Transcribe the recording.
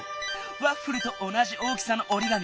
ワッフルとおなじ大きさのおりがみ。